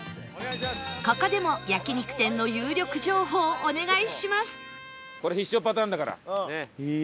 ここでも焼肉店の有力情報お願いします